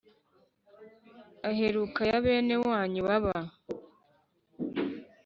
aheruka ya bene wanyu baba